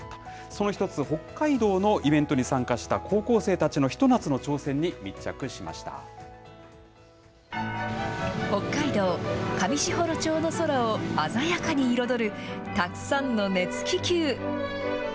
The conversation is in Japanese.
その一つ、北海道のイベントに参加した、高校生たちのひと夏の挑北海道上士幌町の空を鮮やかに彩る、たくさんの熱気球。